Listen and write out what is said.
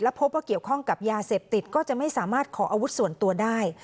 พบว่าเกี่ยวข้องกับยาเสพติดก็จะไม่สามารถขออาวุธส่วนตัวได้